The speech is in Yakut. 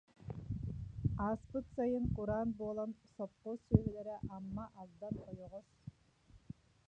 Ааспыт сайын кураан буолан, сопхуос сүөһүлэрэ Амма, Алдан ойоҕос